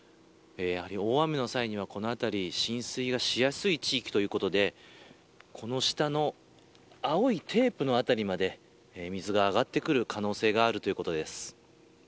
大雨の際には、この辺り浸水しやすい地域ということでこの下の青いテープの辺りまで水が上がってくる可能性があるということです。